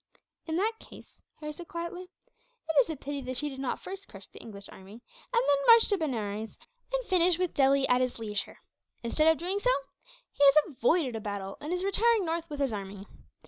"In that case," Harry said quietly, "it is a pity that he did not first crush the English army, and then march to Benares, and finish with Delhi at his leisure. Instead of so doing he has avoided a battle, and is retiring north with his army."